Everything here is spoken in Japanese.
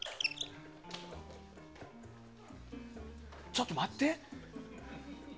ちょっと待って。